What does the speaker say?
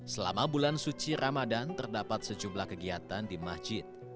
selama bulan suci ramadan terdapat sejumlah kegiatan di masjid